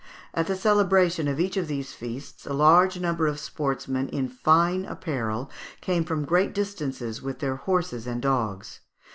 At the celebration of each of these feasts a large number of sportsmen in "fine apparel" came from great distances with their horses and dogs.